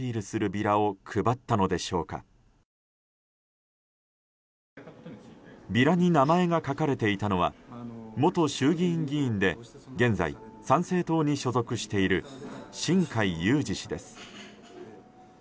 ビラに名前が書かれていたのは元衆議院議員で現在、参政党に所属している新開裕司氏です。